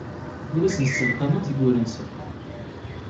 Ur asen-sselqameɣ tiwwura-nsen.